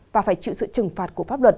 và phải chịu sự trừng phạt của pháp luật